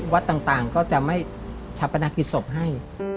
วัดต่างก็จะไม่ชาปนากิจศพให้